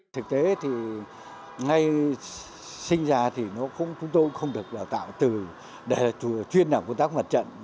thực tế thì ngay sinh ra thì chúng tôi không được tạo từ chuyên làm công tác mặt trận